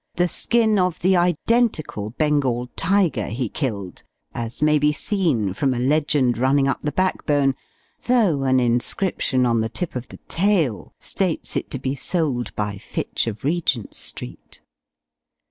the skin of the identical Bengal tiger he killed, as may be seen from a legend running up the back bone though an inscription on the tip of the tail states it to be sold by Fitch of Regent Street.